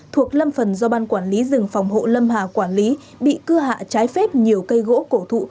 thuộc lâm phần do ban quản lý rừng phòng hộ lâm hà quản lý bị cưa hạ trái phép nhiều cây gỗ thụ